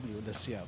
ya sudah siap